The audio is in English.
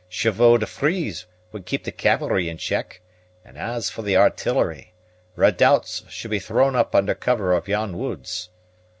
Chevaux de frise would keep the cavalry in check; and as for the artillery, redoubts should be thrown up under cover of yon woods.